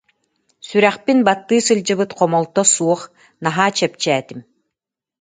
Сүрэхпин баттыы сылдьыбыт хомолто суох, наһаа чэпчээтим